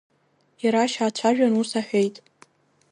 Ирашь аацәажәан ус аҳәеит…